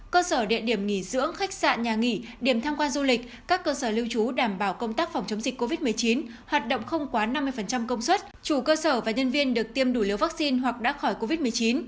cơ sở địa điểm nghỉ dưỡng khách sạn nhà nghỉ điểm tham quan du lịch các cơ sở lưu trú đảm bảo công tác phòng chống dịch covid một mươi chín hoạt động không quá năm mươi công suất chủ cơ sở và nhân viên được tiêm đủ liều vaccine hoặc đã khỏi covid một mươi chín